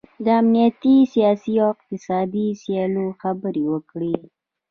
په امنیتي، سیاسي او اقتصادي مسایلو خبرې وکړي